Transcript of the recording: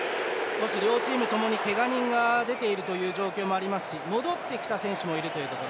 両チームともにけが人が出ているという状況もありますし戻ってきた選手がいるというところ。